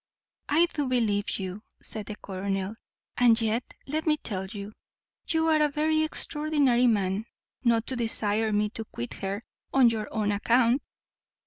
"I do believe you," said the colonel: "and yet, let me tell you, you are a very extraordinary man, not to desire me to quit her on your own account.